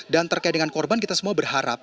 dan terkait dengan korban kita semua berharap